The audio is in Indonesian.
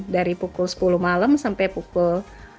dari pukul sepuluh malam sampai pukul